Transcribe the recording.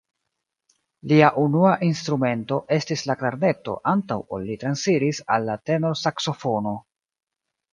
Lia unua instrumento estis la klarneto, antaŭ ol li transiris al tenorsaksofono.